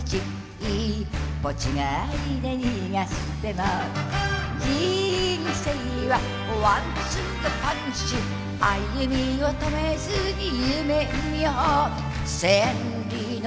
一歩違いでにがしても人生はワン・ツー・パンチ歩みを止めずに夢みよう千里の